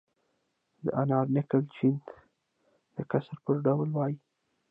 دا ناره نکل چیان د کسر پر ډول وایي.